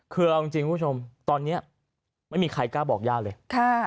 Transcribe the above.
คือเอาจริงคุณผู้ชมตอนนี้ไม่มีใครกล้าบอกย่าเลย